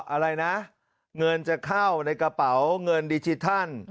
อะไรนะเงินจะเข้าในกระเป๋าเงินดิจิทัล